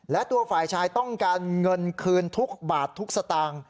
และตัวฝ่ายชายต้องการเงินคืนทุกบาททุกสตางค์